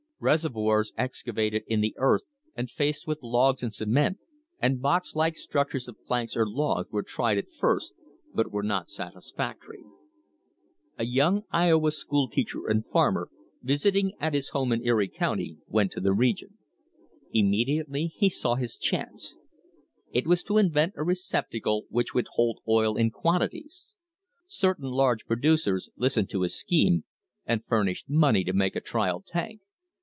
Reservoirs excavated in the earth and faced with logs and cement, and box like structures of planks or logs were tried at first but were not satisfactory. A young Iowa school teacher and farmer, visit THE BIRTH OF AN INDUSTRY ing at his home in Erie County, went to the region. Imme diately he saw his chance. It was to invent a receptacle which would hold oil in quantities. Certain large producers listened to his scheme and furnished money to make a trial tank.